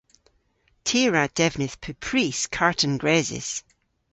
Ty a wra devnydh pupprys karten gresys.